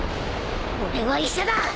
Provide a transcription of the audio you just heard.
俺は医者だ！